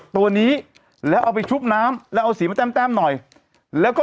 ตัวนี้แล้วเอาไปชุบน้ำแล้วเอาสีมาแต้มหน่อยแล้วก็